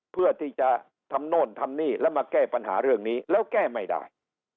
เพื่อที่จะทำโน่นทำนี่แล้วมาแก้ปัญหาเรื่องนี้แล้วแก้ไม่ได้